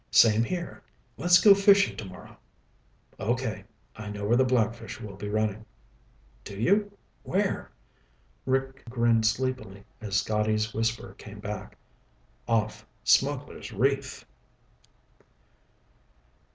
"Same here. Let's go fishing tomorrow." "Okay. I know where the blackfish will be running." "Do you? Where?" Rick grinned sleepily as Scotty's whisper came back. "Off Smugglers' Reef."